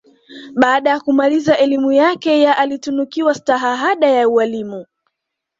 Baada ya kumaliza elimu yake ya alitunukiwa Stahahada ya Ualimu